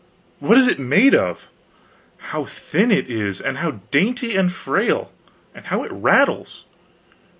What is it made of? How thin it is, and how dainty and frail; and how it rattles.